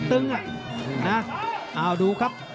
เอาดูครับ